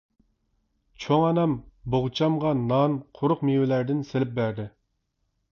چوڭ ئانام بوغچامغا نان، قۇرۇق مېۋىلەردىن سېلىپ بەردى.